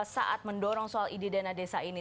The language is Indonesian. saat mendorong soal ide dana desa ini